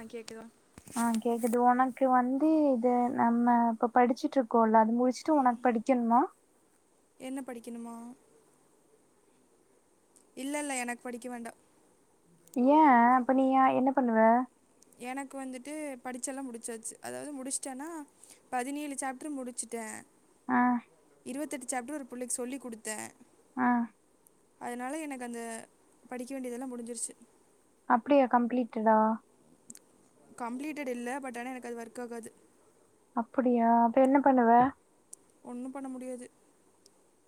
ஆ கேக்குதா ஆ கேக்குது உனக்கு வந்து இது நம்ம இப்ப படிச்சுட்டு இருக்கோல அது முடிச்சுட்டு உனக் படிக்கனுமா என்ன படிக்கணுமா இல்ல இல்ல எனக்கு படிக்க வேண்டா ஏய அப்ப நீ ஏய என்ன பண்ணுவ எனக்கு வந்துட்டு படிச்செல்லா முடுச்சாச்சு அதாது முடுச்ட்டேன்னா பதினேழு சாப்டர் முடிச்சுட்ட ஆ இருவத்தெட்டு சாப்டர் ஒரு புள்ளைக்கு சொல்லி குடுத்த ஆ அதனால எனக்கு அந்த படிக்க வேண்டியது எல்லா முடிஞ்சுருச்சு அப்டியா கம்ப்ளீட்டடா கம்ப்ளீட்டட் இல்ல பட் ஆனா எனக்கு அது ஒர்க் ஆகாது அப்டியா அப்ப என்ன பண்ணுவ ஒன்னு பண்ண முடியாது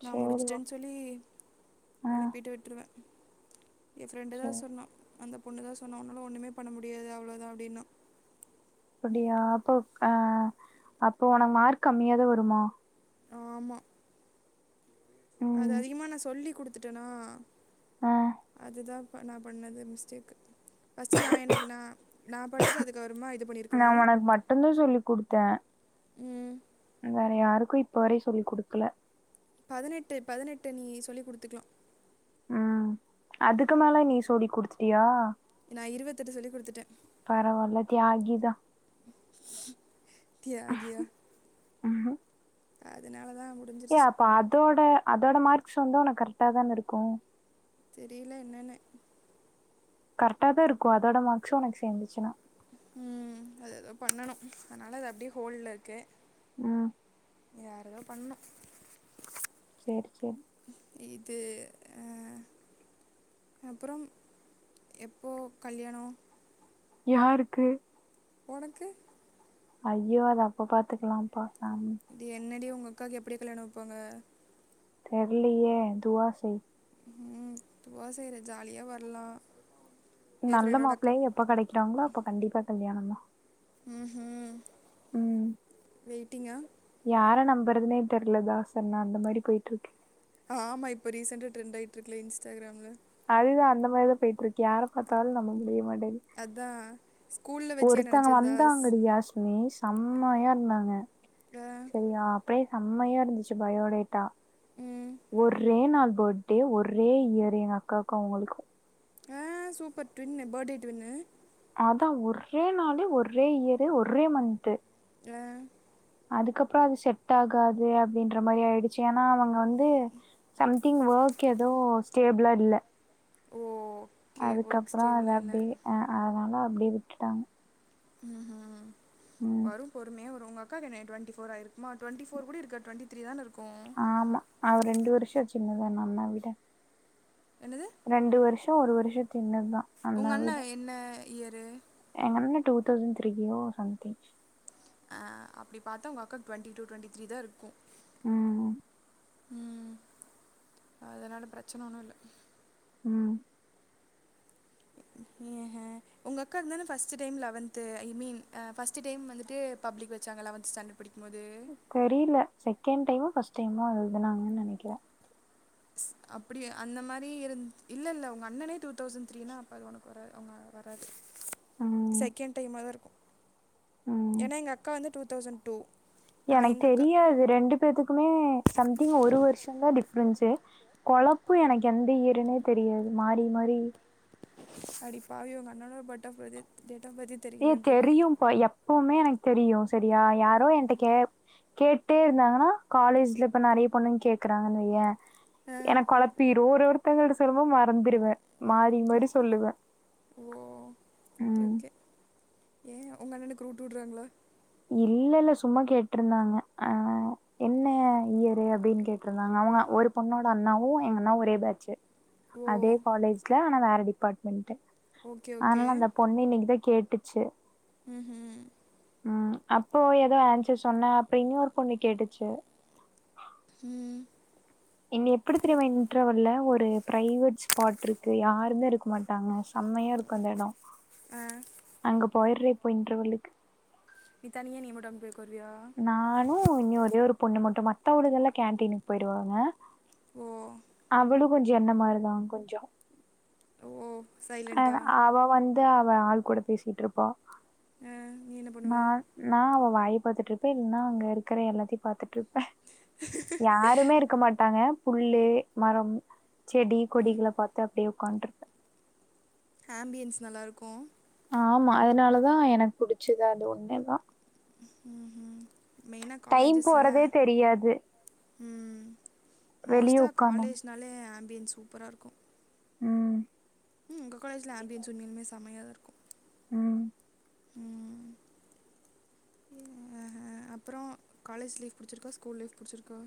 நா சரி ஓ- முடுச்சுட்டேன்னு சொ சொல்லி ஆ அனுப்பிட்டு விட்ருவ ஏய ஃபிரெண்டு தா சரி சொன்னா அந்த பொண்ணுதா சொன்னா உன்னால ஒன்னுமே பண்ண முடியாது அவ்ளோதா அப்டின்னா அப்டியா அப்போ அ அப்போ உனக் மார்க் கம்மியாதா வருமா ஆமா அது ம் அதிகமா நா சொல்லி குடுத்துட்டனா ஆ அது தா ப்ப நா பண்ணது மிஸ்டேக்கு ஃபஸ்ட்டு நா எனக்கு நா நா படுச்ட்டு அதுக்கப்றமா இது பண்ணிருக்கனு என்ன சொல்லி் குடுத்த ம் வேற யாருக்கு இப்ப வரயு சொல்லிக் குடுக்கல பதனெட்டு பதனெட்டு நீ சொல்லி குடுத்துக்லா ம் அதுக்கு மேல நீ சொல்லி குடுத்திட்டியா நா இருவத்தெட்டு சொல்லி குடுத்துட்டே பரவால தியாகிதா தியாகியா அதுனால தா ஏ அப்ப அதோட அதோட மார்க்ஸ் வந்து உனக் கரெக்ட்டா தான இருக்கு தெரிய்ல என்னனு கரெக்டா தா இருக்கு அதோட மார்க்ஸு உனக் சேந்துச்சுன்னா ம் அது எதோ பண்ணனு அத்னால அது அப்டியே ஹோல்ட்ல இருக்கு ம் யாரோதா பண்ணு சேரி சேரி இது அ அப்றோம் எப்போ கல்யாணோ யாருக்கு ஒனக்கு ஐய்யோ அத அப்ப பாத்துக்கலாப்பா சாமி அடி என்னடி உங்க அக்காக்கு எப்படி கல்யாணோ வெப்பாங்க தெர்லயே துவா செய் ம் துவா செய்றே ஜாலியா வர்லா நல்ல மாப்ளையா எப்ப கெடெக்றாங்ளோ அப்ப கண்டிப்பா கல்யாணொந்தா ம்ம் ம் வெயிட்டிங்கா யார நம்பறதுனே தெர்ல தாசன்னா அந்த மாரி போயிட்டு இருக்கு ஆமா இப்ப ரீசெண்டா ட்ரெண்டாயிட்டு இருக்ல இன்ஸ்டாகிராம்ல அதுதா அந்த மாரி தா போய்ட்டு இருக்கு யார பாத்தாலு நம்ம முடிய மாட்டங்கது அதா ஒருத்தங்க வந்தாங்கடி ஹாசினி செம்மயா இருந்தாங்க அ, சரியா அப்டியே செம்மையா இருந்துச்சு பயோடேட்டா ம். ஒரே நாள் பர்த்டே ஒரே இயர் எங்க அக்காவுக்கும் அவங்களுக்கும் ஆ சூப்பர் ட்வின் பர்த்டே ட்வ்ன்னு அதா ஒரே நாள் ஒரே இயரு ஒரே மந்த்து ஆஹ் அதுக்கப்பறம் அது செட் ஆகாது அப்டின்ற மாறி ஆயிடுச்சு ஏன்னா அவங்க வந் து சம்திங் ஒர்க் எதோ ஸ்டேபிளா இல்ல ஓ அதுக்கப்பறம் அது அப்டியே அ அதனால அப்டியே விட்டுட்டாங்க ம்ம் ம் வரும் பொறுமையா வரும் உங்க அக்காக்கு என்ன டுவெண்டி ஃபோர் ஆயிருக்குமா டுவெண்டிஃபோர் கூட இருக்காது டுவெண்டி திரி தான இருக்கும் ஆமா அவ ரெண்டு வருஷம் சின்னது எங்கண்ணாவ விட என்னது ரெண்டு வருஷ ஒரு வருஷ சின்னதுதா உங்க அண்ண என்ன இயரு எங்கண்ணா டூ தௌசண்ட் த்ரீயோ சம்திங் அ அப்டி பாத்தா உங்க அக்காக்கு டுவெண்டி டூ டுவெண்டி த்ரீ தா இருக்கும் ம்ம் ம் அதனால பிரச்சன ஒன்னு இல்ல ம் ஏஹே உங்க அக்காக்கு தான first time eleventh I mean a first time வந்துட்டு பப்ளிக் வச்சாங்க லெவன்த் ஸ்டாண்டர்ட் படிக்கும் போது தெரில செகண்ட் டைமோ ஃபர்ஸ்ட் டைமோ எழுதுனாங்குனு நெனைக்கிற அப்டி அந்த மாறி இருந் இல்ல இல்ல உங்க அண்ணனே டூ தௌசண்ட் த்ரீனா அப்ப அது உனக்கு வராது அவங்களுக்கு வராது ம் செகண்ட் டைம் தா இருக்கும் ம் ஏனா எங்க அக்கா வந்து டூ தௌசண்ட் டூ நான் எனக்கு எங்கள் அக்கா தெரியாது ரெண்டு பேர்த்துக்குமே சம்திங் ஒரு வருஷந் தா டிஃப்ரென்ஸு கொழப்பும் எனக்கு எந்த இயருனே தெரியாது மாறி மாறி அடிப்பாவி உங்க அண்ணானோட but of birthday date of birthday ஏய தெரியும்ப்பா எப்பவுமே எனக்கு தெரியு சரியா யாரோ எயட்ட கேட் கேட்டுட்டே இருந்தாங்கன்னா காலேஜ்ல இப்ப நெறைய பொண்ணு கேக்குறாங்கனுவய ஆ எனக்கு குழப்பி ரோரு ஒரு ஒருத்தவங்கள்ட்ட சொல்லு போது மறந்துருவ மாரி மாரி சொல்லுவ ஓ ஓகே ஏய உங்க அண்ணனுக்கு ரூட்டு வுடுறாங்களா இல்ல இல்ல சும்மா கேட்ரிந்தாங்க அ என்ன இயரு அப்டின்னு கேட்ருந்தாங்க ஒரு பொண்ணோட அண்ணாவும் எங்க அண்ணாவும் ஒரே பேட்சு ஓ அதே காலேஜ்ல ஆனா வேற டிபார்ட்மெண்ட் ஓகே ஓகே அதனால அந்த பொண்ணு இன்னைக்குதான் கேட்டுச்சு ம்ஹு உம் அப்போ எதோ ஆன்சர் சொன்ன அப்பறம் இன்னொரு பொண்ணு கேட்டுச்சு ம் என்ன எப்டி தெரியுமா இன்டர்வல்ல ஒரு பிரைவேட் ஸ்பாட் இருக்கு யாருமே இருக்க மாட் டாங்க செம்மையா இருக்கும் அந்த எட ஆ அங்க போயிற இப்போ இன்டர்வேலுக்கு நீ தனியா நீ மட்டும் போயி அங்க உட்காருவிய நானும் இன்னும் ஒரே ஒரு பொண்ணு மட்டும் மத்தவளுக எல்லாம் கேன்டீனுக்கு போயிடுவாங்க ஓ அவளும் கொஞ்சம் என்னமாறிதா கொஞ்சம் ஓ ஆ சைலண்டா அவ வந் து அவ ஆள் கூட பேசிட்டிருப்பா நீ என்ன பண்ணுவ நான் நா நா அவ வாயை பாத்துட்டுருப்பேன் இப்ப இன்னா அங்க இருக்குற எல்லாத்தயு பாத்துட்டு இருப்ப யாருமே இருக்க மாட்டாங்க புல்லு மரோம் செடி ம் கொடிகள பாத்து அப்டியே உக்காண்டுர்ப்ப ஹாம்பியன்ஸ் நல்லாருக்கு ஆமா அதனாலதா எனக்கு புடிச்சுது அது ஒன்னுதா ம்ம் மெயினா டைம் காலேஜஸ்ல்லா போறதே தெரியாது ம் வெளிய மோஸ்ட்டா உக்காந்தா காலேஜ்னாலே ஹாம்பியன்ஸ் சூப்ரா இருக்கு ம் ம் உங்க காலேஜ்ல ஹாம்பியன்ஸ் உண்மேலுமே செம்யாதா இருக்கு ம் [unintelligible] ம் ஹ ஹ அப்றோ காலேஜ் லைஃப் புடுச்சுருக்கா ஸ்கூல் லைஃப் புடுச்சுருக்கா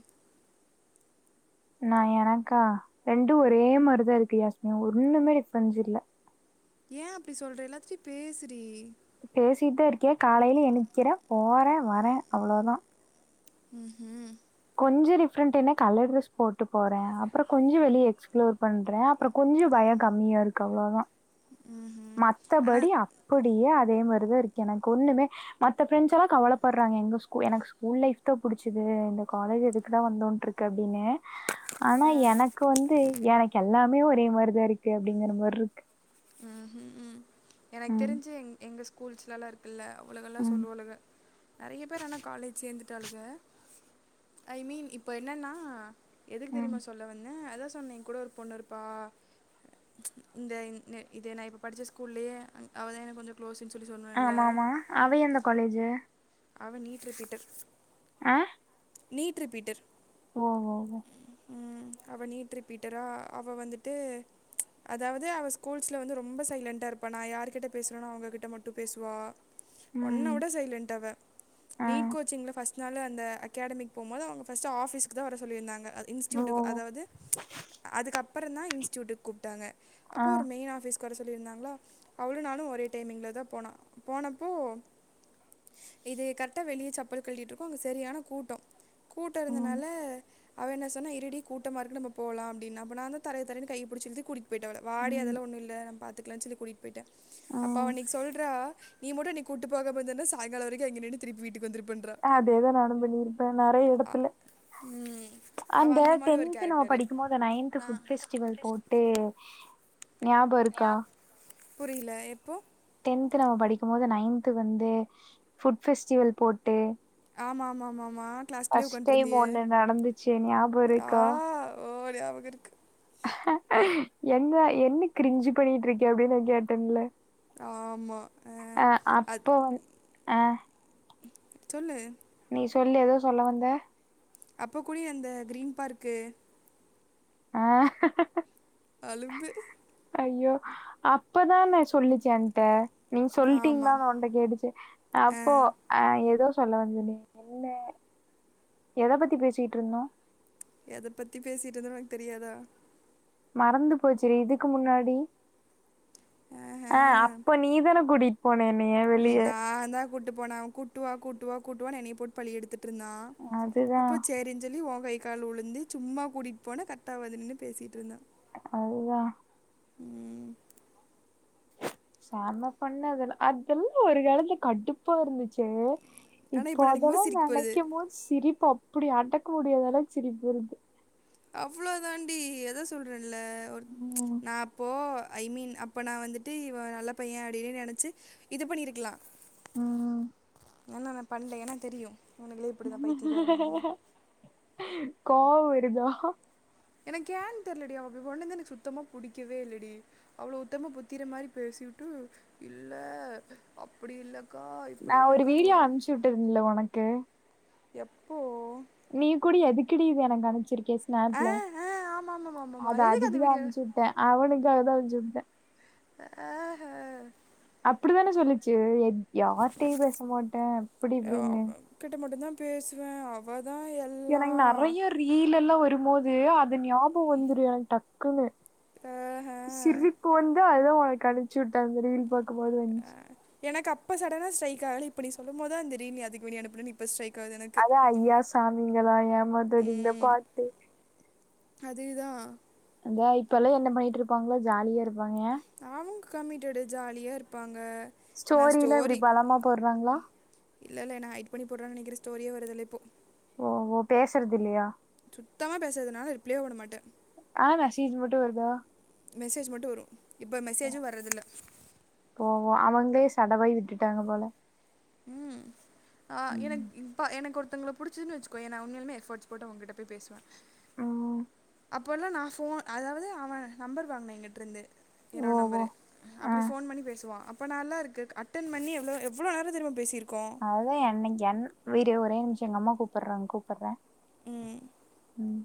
நா எனக்கா ரெண்டு ஒரே மாரிதா இருக்கு யாஸ்மி ஒன்னுமே டிஃப்ரென்ஸ் இல்ல ஏ அப்டி சொல்ற எல்லாத்துட்டயு பேசுடி பேசிட்டே இருக்க காலையில எனிக்ற போறே வர அவ்ளோதா ம் ம் கொஞ்சோ டிஃப்ரெண்ட்ன்னா கலர் ட்ரெஸ் போட்டு போற அப்றோ கொஞ்சோ வெளிய எக்ஸ் ப்ளோர் பண்ற அப்றோ கொஞ்சோ பயோ கம்மியா இருக்கு அவ்ளோதா ம் மத்தபடி ஆ அப்டியே அதே மாரி தா இருக்கு எனக்கு ஒன்னுமே மத்த ஃபிரெண்ஸ் எல்லா கவலப்பட்றாங்க எங்க ஸூ எனக்கு ஸ்கூல் லைஃப் தா புடுச்சுது இந்த காலேஜ் எதுக்குடா வந்தோட்ருக்கு அப்டின்ன ஆனா ஆனால் எனக்கு வந்து எனக்கு எல்லாமே ஒரே மாரிதா இருக்கு அப்டிங்கற மாரி இருக்கு ம் ம் ம் எனக்கு ம் தெரிஞ்சு எ எங்க ஸ்கூல்ஸ்லல்லா இருக் இல்ல அவழுகெல்லா ம் சொல்லுவாழுக நெறைய பேர் ஆனா காலேஜ் சேந்துட்டாளுக ஐ மீன் இப்ப என்னன்னா எதுக்கு ம் தெரியுமா சொல்ல வந்தே அதா சொன்னே உங்கூட ஒரு பொண்ணு இருப்பா இந்த இ இது நா இப்ப படிச்ச ஸ்கூல்லயே அவதா எனக் கொஞ்சோ க்ளோஸ்ன் சொல்லி சொன்னா ஆமா ஆமா அவ எந்த காலேஜு அவ நீற்ற கிட்டு அ நீட் ரிப்பீட்டர் ஓ ஓ ஓ ம் அவ நீட் ரிப்பீட்டரா அவ வந்துட்டு அதாவது அவ ஸ்கூல்ஸ்ல வந்து ரொம்ப சைலண்டா இருப்பா நா யாருகிட்ட பேசுறேனோ அவங்ககிட்ட மட்டு பேசுவா ஒன்னா ம் விட சைலண்ட் அவ ஆ நீட் கோச்சிங்ல ஃபர்ஸ்ட் நாளு அந்த அகெடமிக் போம்போது அவுங்க ஃபர்ஸ்ட் ஆபிஸ்குதா வர சொல்லிருந்தாங்க அது ஓ இன்ஸூட்டுக் ஓ அதாவுது அதுக்கு அப்றோ தா இன்ஸூட்டுக்கு கூப்ட்டாங்க ஆ அப்போ ஒரு மெயின் ஆஃபீஸ் கொற சொல்லியிருந்தாங்ளா அவளு நானு ஒரே டைமிங்கில்ல தா போனோ போனப்போ இது கரெக்ட்டா வெளிய செப்பல் கழுட்டிட்டு இருக்கோ அங்க செரியான கூட்டோ கூட்டோ ம் இருந்தனால அவ என்ன சொன்னா‌ இருடி கூட்டமா இருக்கு நம்ம போலா அப்டின்னா அப்போ நாதா தரைய தரைய கையபுடிச்சு இழுத்து கூட்டி போயிட்ட வாடி ம் அதெல்லா ஒன்னு இல்ல நம்ம பாத்துக்கலானு சொல்லி கூட்டிட்டு போய்ட்ட அப்ப அவ ம் அன்னக்கு சொல்றா நீ மட்டு அன்னிக்கு கூட்டு போகாம இருந்தினா சாயங்காலோ வரிக்கு அங்க நின்னு திருப்பி வீட்டுக் வந்துருப் அதேதா நானு பண்ணிருப்ப நெறைய அ- எடத்துல ம், அவ அந்த மாதிரி ஒரு டென்த்து நம்ம கேரக்டரு படிக்குபோது அந்த நைன்த் நான் ஃபுட் பெஸ்டிவல் போட் டே ஞாபருக்கா புரில எப்போ டென்த்து நம்ம படிக்கு போது நைன்த்து வந்து ஃபுட் ஃபெஸ்டிவல் போட்டு ஆமா ஆமா ஆமா ஆமா கிளாஸ்க்குள்யே ஃபர்ஸ்ட் டைம் உக்காண்ட்ருந்தியே ஒண்ணு நடந்துச்சு ஞாபம் ஆ இருக்கா ஓ ஞாபகருக்கு என்ன என்ன கிரிஞ்சு பண்ணிட்டுருக்க அப்டின்னு நா கேட்டேன்ல ஆமா அ அது ஆ சொல்லு நீ சொல்லு ஏதோ சொல்ல வந்த அப்ப கூடயே அந்த கிரீன் பார்க்கு அ அலும்பு ஐயோ அப்பதான சொல்லிச்சு என்ட நீங்க சொல்லிட்டீங்களா ஆமாம் உனே கேட்டுச்சு ஆ அப்போ அ ஏதோ சொல்ல வந்தனே என்ன எத பத்தி பேசிட்டு இருந்தோம் எத பத்தி பேசிட்டுந்தம் உனக்கு தெரியாதா மறந்து போச்சுடீ இதுக்கு முன்னாடி ஆஹா. ஆ அப்ப நீதான கூட் போன என்னய ம் நா தா கூட்டிட்டு போனே கூட்டுவா கூட்டுவா கூட்டுவா என்னய போட்டு பழி எடுத்துட்டு இருந்தா அதுதா அப்போ சேரி சொல்லி உங்கை கழுவலந்து சும்மா கூட்டிட்டு போன கட்டாவது நின்னு பேசிட்டுருந்தா அதுதா சம பண்ணது அதல்லாம் ஒரு காலத்துல கடுப் பா இருந்துச்சே ஆனால் இப்போ நினைக்கும் போது அதெல்லாம் சிரிக்க போகிறது நெனைக்கு போது சிரிப்பு அப்டி அடக்க முடியதளவுக்கு சிரிப்பு வருது அவ்ளோ தாண்டி எத சொல்றேன்ல ஒரு ம் நா இப்போ ஐ மீன் அப்போ நா வந்ட்டு இவன் நல்ல பையன் அப்டின்னு நெனச்சி இது பண்ணிருக்கலாம் ம் ஏனா நா பண்ல ஏனா தெரியும் இவன்ங்களே இப்டி தா பைத்தீக்காரனுங்க கோவம் வருதா எனக்கு ஏன் தெர்லடி அவ அப்டி பண்ணது எனக்கு சுத்தமா புடிக்கவே இல்லடி அவ்ளோ உத்தமா புத்திர மாரி பேசிட்டு இல்ல அப்டி இல்ல அக்கா நா இப்டி இல்க்கான்னு வீடியோ ஒரு அனுப்ச்சு விட்டேன்ல உனக்கு எப்போ நீ கூட எதுக்குடி இது எனக்கு அனுப்ச்சுருக்க ஆ ஸ்நாப்ல ஆ ஆமா ஆமா ஆமா ஆமா அத எதுக்கு அந்த அதுக்குதா வீடியோ அனுப்ச்சு ட்டான் அவனுக்காக தா அனுப்பிச்சுட்டேன் ஆ அப்டித்தானே சொல்லிச்சு யார்ட்டயும் பேச மாட்டேன் அப்டி இப்டின்னு அவ கிட்ட மட்டும் தா பேசுவேன் அவதா எல்லா எனக்கு நெறைய ரீல் எல்லா வரும்போது அது ஞாபகம் வந்துரும் எனக்கு டக்குன்னு ஆஹ சிரிப்பு வந்து அதுதா உனக்கு அனுப்ச்சுட்ட அந்த ரீல் பாக்கும்போது வந் ஆ எனக்கு அப்ப சடனா ஸ்டைக் ஆகல இப்ப நீ சொல்லும் போது தா அந்த ரீல் எதுக்கு நீ அனுப்பன இப்ப ஸ்ட்ரைக் ஆகுது எனக்கு அதா ஐயா சாமிங்களாம் ஏமாத்தது இந்த ம் பாட்டு அதுதான் இந்தா இப்ப எல்லா என்ன பண்ணிட்டு இருப்பாங்களோ ஜாலியா இருப்பாங்க அவங்க கம்மிட்டடு ஜாலியா இருப்பாங்க நான் ஸ்டோரிலாம் இப்டி பலமா போட்றாங்களா இல்ல இல்ல என்ன ஹய்டு பண்ணி போறான்னு நெனக்கிறன் ஸ்டோரியே வரதில்ல இப்போ ஓ ஓ பேசறது இல்லயா சுத்தமா பேசறதுல்லனால ரிப்ளையே பண்ணமாட்ட ஆனா மெசேஜ் மட்டும் வருதா மெசேஜ் மட்டு வரு இப்ப மெசேஜு வர்றதுல்ல ஓ ஓ அவங்களே சடவாகி விட்டுட்டாங்க போல ம் ஆ எனக்கு ம். இப்ப எனக்கு ஒருத்தவங்கள புடிச்சுதுன்னு வச்சுக்கோயே நா உண்மையாலுமே எஃபர்ட்டுஸ் போட்டு அவங்ககிட்ட போய் பேசுவே ம் அப்போல்லாம் நான் ஃபோன் அதாவது அவன் நம்பர் வாங்கினேன் எங்கிட்டருந்து ஓ என்னோட ஓ நம்பரு ஆ அப்படி ஃபோன் பண்ணி பேசுவா அப்போ நல்லாருக்கு அட்டன் பண்ணி எவ்ளோ எவ்ளோ நேரோ தெரிமா பேசிருக்கோ அவை என்னைங்க என் வீரு ஒரே நிமிஷோ எங்க அம்மா கூப்புட்றங்க கூப்புட்றே ம் ம்